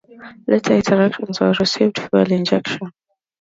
Later iterations also received fuel injection.